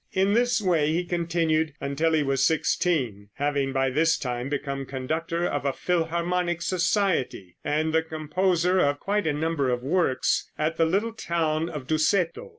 In this way he continued until he was sixteen, having by this time become conductor of a philharmonic society, and the composer of quite a number of works, at the little town of Dusseto.